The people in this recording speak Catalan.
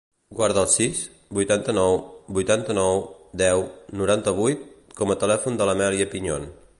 Guarda el sis, vuitanta-nou, vuitanta-nou, deu, noranta-vuit com a telèfon de l'Amèlia Piñon.